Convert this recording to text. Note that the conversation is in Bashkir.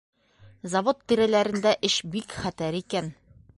Завод тирәләрендә эш бик хәтәр икән.